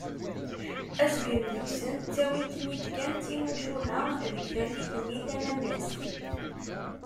Azgen deg-sen ttawin-ten-id kan d timucuha deg tallit-nni tanammast.